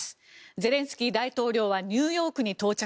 ゼレンスキー大統領はニューヨークに到着。